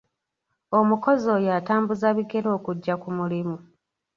Omukozi oyo atambuza bigere okujja ku mulimu.